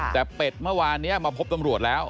แต่เป็ดเมื่อวานนี้มาพบตำรวจแล้ว